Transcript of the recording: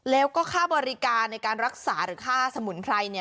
แล้วก็ค่าบริการในการรักษาหรือค่าสมุนไพร